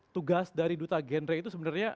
tugas dari duta genre itu sebenarnya